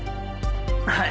はい！